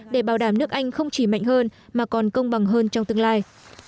để bảo đảm nước anh không chỉ mạnh hơn mà còn công bằng hơn trong tương lai